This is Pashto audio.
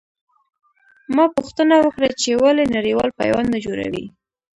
ما پوښتنه وکړه چې ولې نړېوال پیوند نه جوړوي.